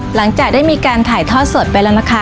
หลังจากได้มีการถ่ายทอดสดไปแล้วนะคะ